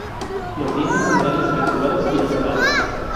Los dientes son grandes, recurvados y aserrados.